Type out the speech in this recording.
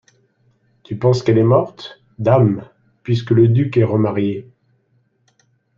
Tu penses qu'elle est morte ? Dame ! puisque le duc est remarié.